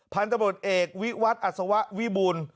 พันธ์ตำรวจเอกวิวัตชพอาศวะวิบูล